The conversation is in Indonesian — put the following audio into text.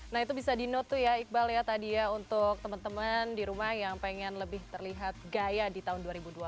nah itu bisa di note tuh ya iqbal ya tadi ya untuk teman teman di rumah yang pengen lebih terlihat gaya di tahun dua ribu dua puluh